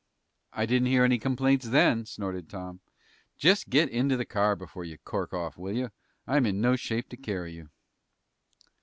"I didn't hear any complaints then," snorted Tom. "Just get into the car before you cork off, will you? I'm in no shape to carry you."